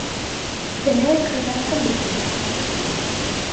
دەمەوێت خێزانەکەم ببینیت.